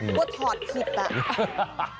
ว่าถอดผิดอ่ะ